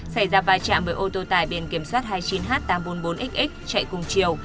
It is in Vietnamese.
xảy ra vai trạm với ô tô tải biển kiểm soát hai mươi chín h tám trăm bốn mươi bốn xx chạy cùng chiều